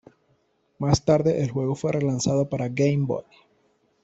Más tarde el juego fue relanzado para Game Boy.